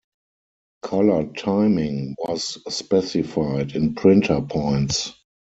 Color timing was specified in printer points.